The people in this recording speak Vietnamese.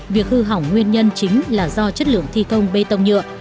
việc hư hỏng nguyên nhân chính là do chất lượng thi công bê tông nhựa